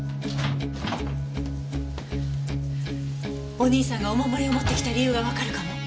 お兄さんがお守りを持って来た理由がわかるかも。